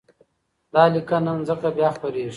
دا لیکنه نن ځکه بیا خپرېږي،